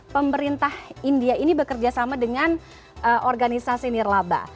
pemerintah india ini bekerja sama dengan organisasi nirlaba